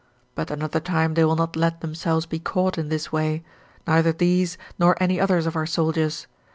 But another time they will not let themselves be caught in this way, neither these nor any others of our soldiers.